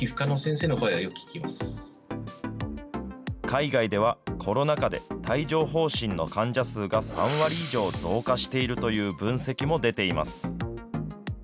海外では、コロナ禍で、帯状ほう疹の患者数が３割以上増加しているという分析も出ています。